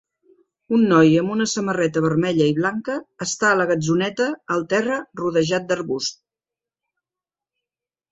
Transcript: Un noi amb una samarreta vermella i blanca està a la gatzoneta al terra rodejat d'arbusts